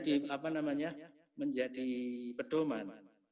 itu perlu menjadi pedoman